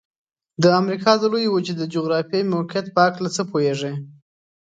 د امریکا د لویې وچې د جغرافيايي موقعیت په هلکه څه پوهیږئ؟